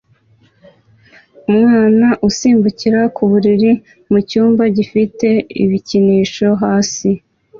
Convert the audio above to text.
Umwana usimbukira ku buriri mucyumba gifite ibikinisho hasi